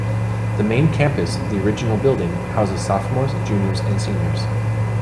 The Main Campus, the original building, houses sophomores, juniors, and seniors.